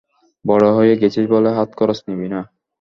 বড় হয়ে গেছিস বলে হাত খরচ নিবি না?